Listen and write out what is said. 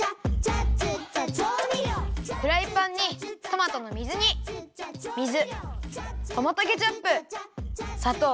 フライパンにトマトの水煮水トマトケチャップさとう